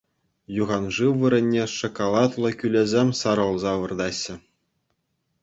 Юханшыв вырӑнне шоколадлӑ кӳлӗсем сарӑлса выртаҫҫӗ.